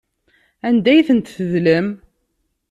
Anda ay tent-tedlem?